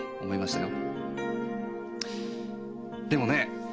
でもね